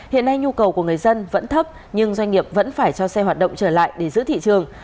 hiện nay nhu cầu của người dân vẫn thấp nhưng doanh nghiệp vẫn phải cho xe hoạt động trở lại để giữ thị trường